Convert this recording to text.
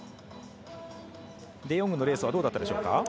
デヨングのレースはどうだったでしょうか。